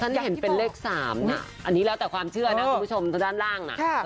ฉันเห็นเป็นเลข๓นะอันนี้แล้วแต่ความเชื่อนะคุณผู้ชมด้านล่างน่ะ